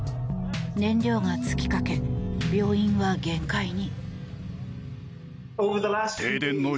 燃料が尽きかけ、病院は限界に。